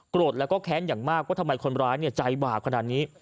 แล้วก็แค้นอย่างมากว่าทำไมคนร้ายใจบาปขนาดนี้